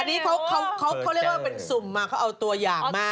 อันนี้เขาเรียกว่าเป็นสุ่มมาเขาเอาตัวอย่างมาก